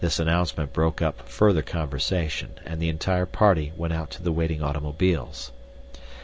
This announcement broke up further conversation, and the entire party went out to the waiting automobiles.